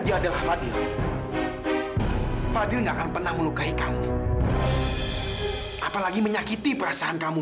seorang fadil melakukan semua ini sama kamu